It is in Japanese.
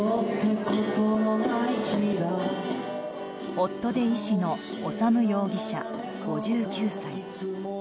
夫で医師の修容疑者、５９歳。